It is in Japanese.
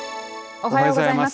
おはようございます。